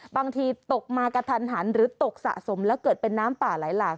บางทีตกมากระทันหันหรือตกสะสมแล้วเกิดเป็นน้ำป่าไหลหลาก